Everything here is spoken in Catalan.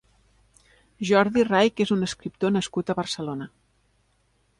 Jordi Raich és un escriptor nascut a Barcelona.